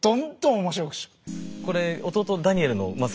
これ弟ダニエルのまあ